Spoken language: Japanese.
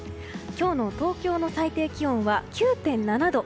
今日の東京の最低気温は９．７度。